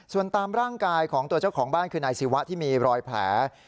ส่วนตามร่างกายของตัวเจ้าของบ้านคือนายศิวะที่มีรอยแผล